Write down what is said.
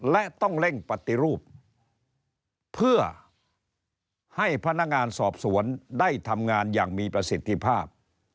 และต้องเร่งปฏิรูปเพื่อให้พนักงานสอบสวนได้ทำงานอย่างมีประสิทธิภาพ